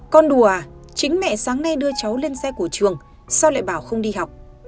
con đùa à chính mẹ sáng nay đưa cháu lên xe của trường sao lại bảo không đi học